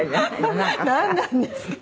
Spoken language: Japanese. なんなんですか？